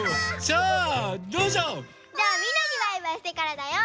じゃあみんなにバイバイしてからだよ。